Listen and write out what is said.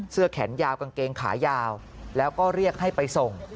เสื้อแขนยาวกางเกงขายาวแล้วก็เรียกให้ไปส่ง